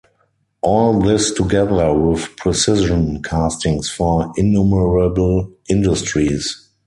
All this together with precision castings for "innumerable" industries.